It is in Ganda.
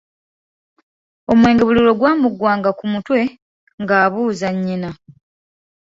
Omwenge buli lwe gwamuggwanga ku mutwe, ng'abuuza nnyina.